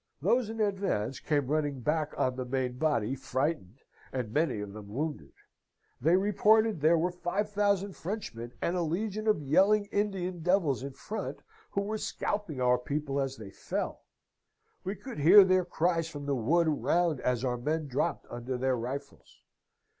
Those in advance came running back on the main body frightened, and many of them wounded. They reported there were five thousand Frenchmen and a legion of yelling Indian devils in front, who were scalping our people as they fell. We could hear their cries from the wood around as our men dropped under their rifles.